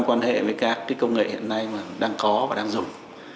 quan hệ với các công nghệ hiện nay mà đang có và đang dùng